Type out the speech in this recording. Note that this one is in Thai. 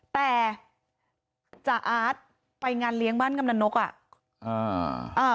แต่จ่าอาจไปงานเลี้ยงบ้านกำลังนกอ่ะ